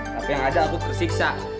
tapi yang ada aku tersiksa